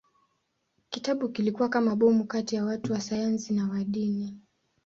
Kitabu kilikuwa kama bomu kati ya watu wa sayansi na wa dini.